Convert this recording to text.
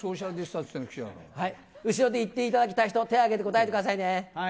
後ろで言っていただきたい人、手を挙げて答えてくださいね。